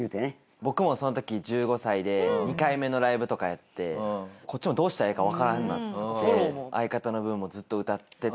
僕もうその時１５歳で２回目のライブとかやってこっちもどうしたらええかわからなくなって相方の分もずっと歌ってて。